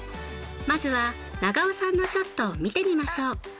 まずは永尾さんのショットを見てみましょう。